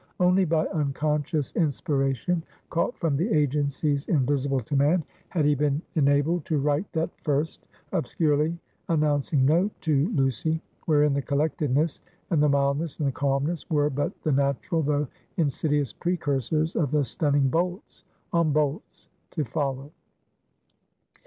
Only by unconscious inspiration, caught from the agencies invisible to man, had he been enabled to write that first obscurely announcing note to Lucy; wherein the collectedness, and the mildness, and the calmness, were but the natural though insidious precursors of the stunning bolts on bolts to follow.